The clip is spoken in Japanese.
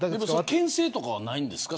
けん制とかはないんですか。